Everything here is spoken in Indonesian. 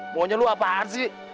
maunya lu apaan sih